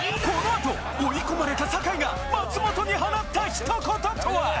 このあと追い込まれた坂井が松本に放った一言とは！？